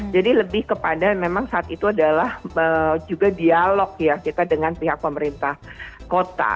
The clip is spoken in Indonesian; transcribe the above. jadi lebih kepada memang saat itu adalah juga dialog ya kita dengan pihak pemerintah kota